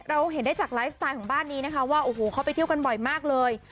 เราเห็นได้จากไลฟ์สไตล์ของบ้านนี้นะคะว่าโอ้โหเขาไปเที่ยวกันบ่อยมากเลย